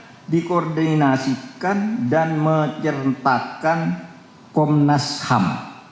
dan dikoordinasikan dan menceritakan komnas ham